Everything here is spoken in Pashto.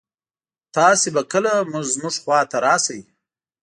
تاسو به کله مونږ خوا ته راشئ